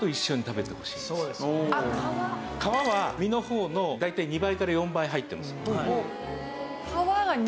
皮は実の方の大体２倍から４倍入ってます。